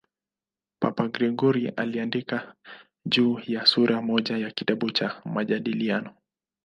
Papa Gregori I aliandika juu yake sura moja ya kitabu cha "Majadiliano".